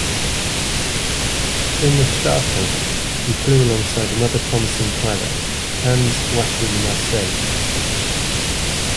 In the "Staffel", he flew alongside another promising pilot, Hans-Joachim Marseille.